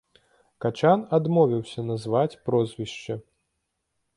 Качан адмовіўся назваць прозвішча.